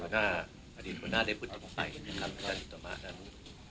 หัวหน้าอดีตหัวหน้าได้พูดถึงไปนะครับท่านต่อมานั่นเอ่อ